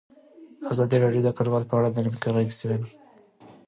ازادي راډیو د کډوال په اړه د نېکمرغۍ کیسې بیان کړې.